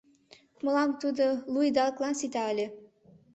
Мылам тудо лу идалыклан сита ыле...